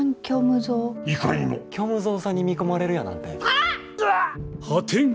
虚無蔵さんに見込まれるやなんて。